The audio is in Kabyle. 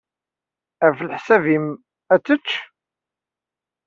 Ɣef leḥsab-nnem, ad tečč?